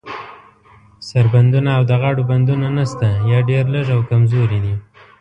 سر بندونه او د غاړو بندونه نشته، یا ډیر لږ او کمزوري دي.